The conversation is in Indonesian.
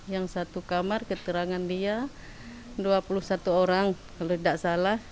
yang satu kamar keterangan dia dua puluh satu orang kalau tidak salah